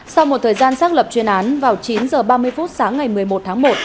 sau một thời gian xác lập chuyên án vào chín h ba mươi phút sáng ngày một mươi một tháng một